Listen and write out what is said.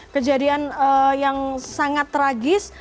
kejadian yang sangat tragis